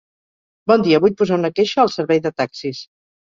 Bon dia, vull posar una queixa al servei de taxis.